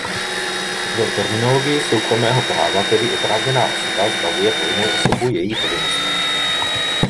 V terminologii soukromého práva tedy oprávněná osoba zbavuje povinnou osobu její povinnosti.